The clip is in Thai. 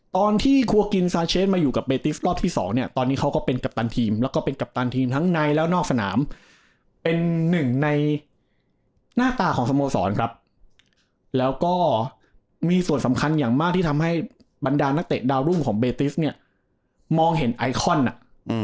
ตอนที่ครัวกินซาเชฟมาอยู่กับเบติสรอบที่สองเนี่ยตอนนี้เขาก็เป็นกัปตันทีมแล้วก็เป็นกัปตันทีมทั้งในและนอกสนามเป็นหนึ่งในหน้าตาของสโมสรครับแล้วก็มีส่วนสำคัญอย่างมากที่ทำให้บรรดานักเตะดาวรุ่งของเบติสเนี่ยมองเห็นไอคอนอ่ะอืม